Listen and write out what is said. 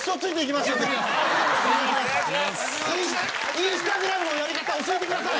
インスタグラムのやり方教えてください！